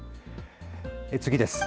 次です。